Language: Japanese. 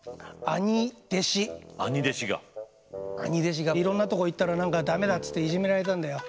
兄弟子がいろんなとこ行ったら何か駄目だっつっていじめられたんだよ。